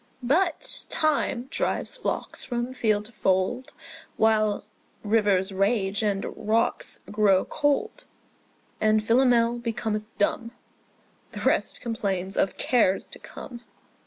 But Time drives flocks from field to fold, When rivers rage and rocks grow cold ; And Philomel becometh dumb ; The rest complains of cares to come.